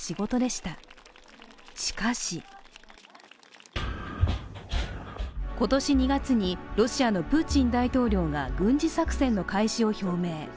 しかし今年２月にロシアのプーチン大統領が軍事作戦の開始を表明。